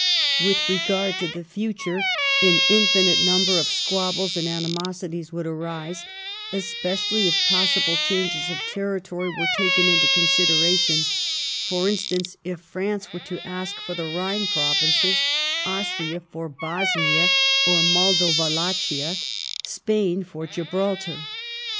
With regard to the future, ai^ infinite number of squabbles and animosities would arise, especially if possible changes of territory were taken into consideration — ^for instance, if France were to ask for the Bhine provinces, Austria for Bosnia or Moldo Wallachia, Spain for Gibraltar.